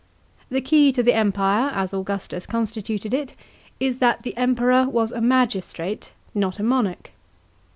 The key to the Empire, as Augustus constituted it, is that the Emperor was a magistrate, not a monarch.